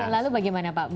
lalu bagaimana pak